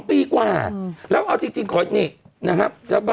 ปีกว่าแล้วเอาจริงขอนี่นะครับแล้วก็